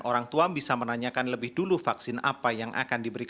orang tua bisa menanyakan lebih dulu vaksin apa yang akan diberikan